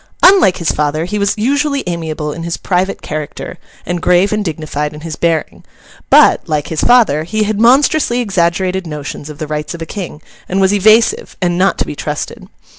Unlike his father, he was usually amiable in his private character, and grave and dignified in his bearing; but, like his father, he had monstrously exaggerated notions of the rights of a king, and was evasive, and not to be trusted.